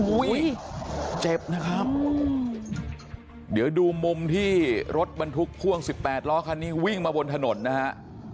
เจ็บนะครับเดี๋ยวดูมุมที่รถบรรทุกพ่วง๑๘ล้อคันนี้วิ่งมาบนถนนนะฮะ